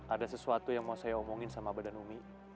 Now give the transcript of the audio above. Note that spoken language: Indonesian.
ada sesuatu yang mau saya omongin sama badan umi